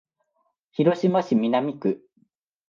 広島市南区